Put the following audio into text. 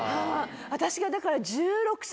私がだから。